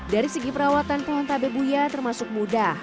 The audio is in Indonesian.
dari segi perawatan pohon tabe buya termasuk mudah